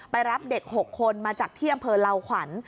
รับเด็ก๖คนมาจากที่อำเภอเหล่าขวัญ